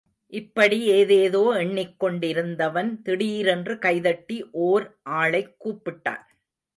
இப்படி ஏதேதோ எண்ணிக் கொண்டிருந்தவன் திடீரென்று, கைதட்டி ஓர் ஆளைக் கூப்பிட்டான்.